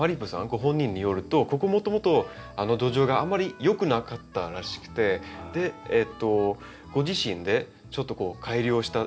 ご本人によるとここもともと土壌があんまりよくなかったらしくてでご自身でちょっと改良したらしいんですね。